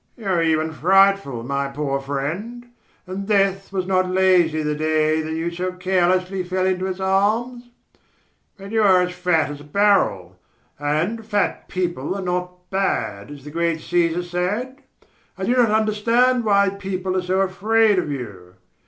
"You are even frightful, my poor friend; and death was not lazy the day when you so carelessly fell into its arms. But you are as fat as a barrel, and 'Fat people are not bad,' as the great Cæsar said. I do not understand why people are so afraid of you.